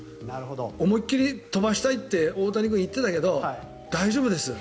思いっきり飛ばしたいって大谷君は言っていたけど大丈夫です。